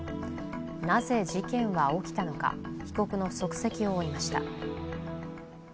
なぜ事件は起きたのか、被告の足跡を追いました。